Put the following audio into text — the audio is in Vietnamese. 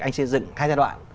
anh xây dựng hai giai đoạn